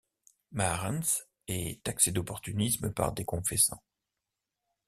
Maharens est taxé d'opportunisme par des confessants.